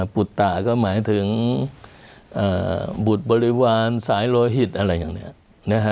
ปุตตาก็หมายถึงบุตรบริวารสายโลหิตอะไรอย่างนี้